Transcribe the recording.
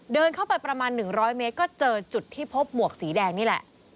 เดินเข้าไปประมาณ๑๐๐เมตรก็เจอจุดที่พบหมวกสีแดงนี่แหละ